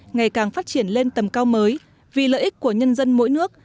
ngày càng phát triển lên tầm cao mới vì lợi ích của nhân dân mỗi nước